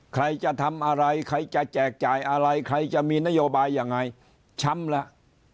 ใครจะทำอะไรใครจะแจกจ่ายอะไรใครจะมีนโยบายยังไงช้ำแล้ว